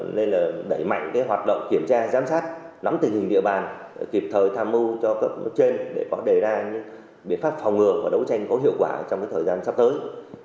nên là đẩy mạnh hoạt động kiểm tra giám sát nắm tình hình địa bàn kịp thời tham mưu cho cấp trên để có đề ra những biện pháp phòng ngừa và đấu tranh có hiệu quả trong thời gian sắp tới